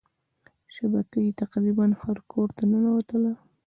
شبکه یې تقريبا هر کورته ننوتله.